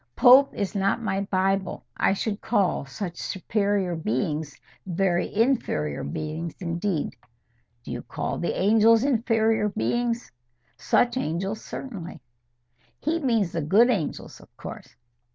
Pope is not my Bible. I should call such superior beings very inferior beings indeed." "Do you call the angels inferior beings?" "Such angels, certainly." "He means the good angels, of course."